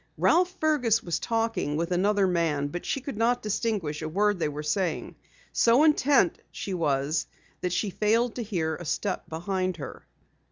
Ralph Fergus was talking with another man but she could not distinguish a word they were saying. So intent was she that she failed to hear a step behind her.